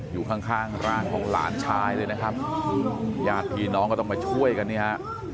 อยู่ข้างข้างร่างของหลานชายเลยนะครับญาติพี่น้องก็ต้องมาช่วยกันเนี่ยฮะ